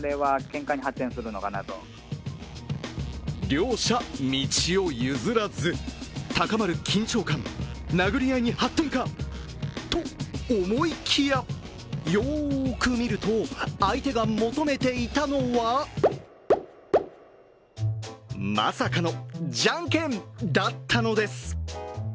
両者、道を譲らず高まる緊張感殴り合いに発展か？と思いきやよく見ると、相手が求めていたのはまさかのじゃんけんだったのです！